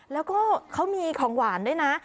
แล้วก็เขามีของหวานด้วยนะ